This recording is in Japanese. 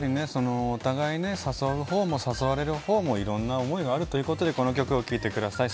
お互い誘うほうも誘われるほうもいろんな思いはあるということでこの曲を聴いてください。